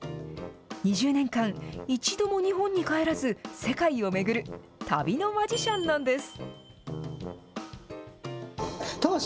２０年間、一度も日本に帰らず、世界を巡る、旅のマジシャンなんです。